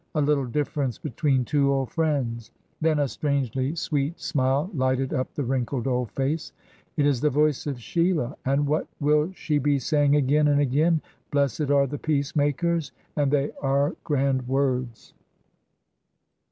a little difference between two old friends!" Then a strangely sweet smile lighted up the wrinkled old face. "It is the voice of Sheila. And what will she be saying again and again: 'Blessed are the peace makers' and they are grand words."